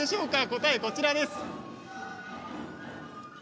答えはこちらです。